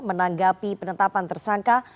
menanggapi penetapan tersangka